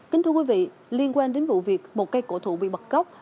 kính thưa quý vị liên quan đến vụ việc một cây cổ thụ bị bật gốc